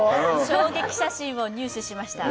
衝撃写真を入手しました